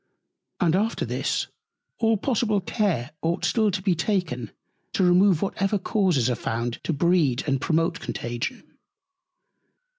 And after this all possible Care ought still to be taken to remove whatever Causes are found to breed and promote Contagion.